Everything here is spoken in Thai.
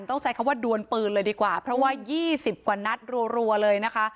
ต้องใช้คำว่าดวนปืนเลยดีกว่าเพราะว่า๒๐กว่านัดรัวเลยนะคะ